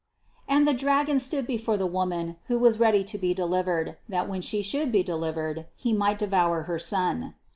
"And the dragon stood before the woman, who was ready to be delivered; that when She should be delivered, he might devour her Son."